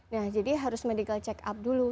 nah jadi harus medical check up dulu